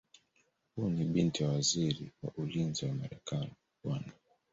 Huyu ni binti wa Waziri wa Ulinzi wa Marekani Bw.